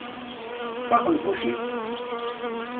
Ṭṭef axenfuc-ik!